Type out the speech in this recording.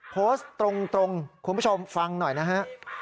โพสต์ตรงคุณผู้ชมฟังหน่อยนะฮะ